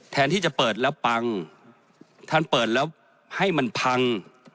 แทนที่จะเปิดแล้วปังท่านเปิดแล้วให้มันพัง